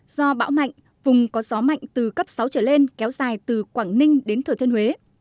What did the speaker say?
do bão mạnh vùng có gió mạnh từ cấp sáu trở lên kéo dài từ quảng ninh đến thừa thiên huế